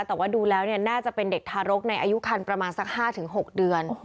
แต่ว่าดูแล้วน่าจะเป็นเด็กทารกในอายุคันประมาณสัก๕๖เดือน